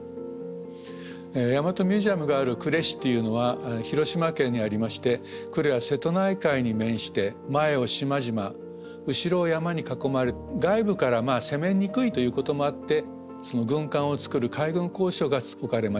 大和ミュージアムがある呉市というのは広島県にありまして呉は瀬戸内海に面して前を島々後ろを山に囲まれ外部から攻めにくいということもあって軍艦を造る海軍工廠が置かれました。